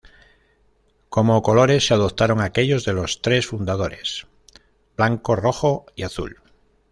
Como colores se adoptaron aquellos de los tres fundadores: blanco, rojo y azul.